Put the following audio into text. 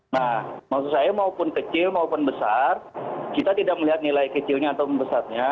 nah maksud saya maupun kecil maupun besar kita tidak melihat nilai kecilnya atau membesarnya